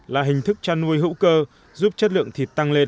là hình thức chăn nuôi hữu cơ giúp chất lượng thịt tăng lên